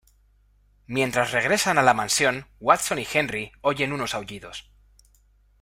Mientras regresan a la mansión, Watson y Henry oyen unos aullidos.